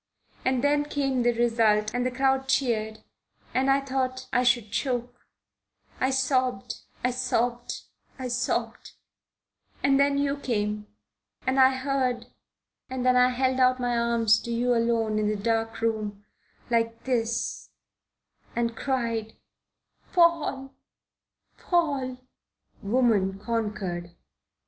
And then came the result and the crowd cheered and I thought I should choke. I sobbed, I sobbed, I sobbed and then you came. And I heard, and then I held out my arms to you alone in the dark room like this and cried: 'Paul, Paul!"' Woman conquered.